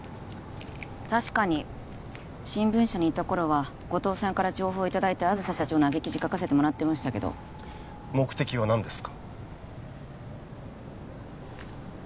確かに新聞社にいた頃は後藤さんから情報いただいて梓社長のアゲ記事書かせてもらってましたけど目的は何ですか？